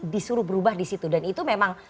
disuruh berubah di situ dan itu memang